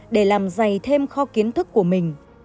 để làm dày thêm kho kiến thức của mình